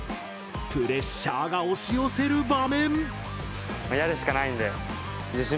プレッシャーが押し寄せる場面！